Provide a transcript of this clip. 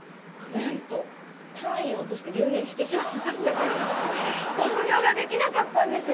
なんと単位を落として留年してしまいまして卒業ができなかったんですよ